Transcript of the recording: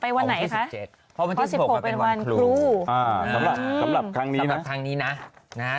อ๋อไปวันไหนคะเพราะวันที่๑๖เป็นวันครูสำหรับครั้งนี้นะ